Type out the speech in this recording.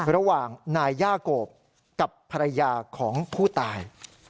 ระหว่างนายย่าโกบกับภรรยาของผู้ตาย